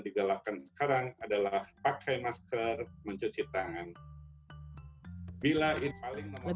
digalakkan sekarang adalah pakai masker mencuci tangan lebih lanjut dokter haneng menyebut saat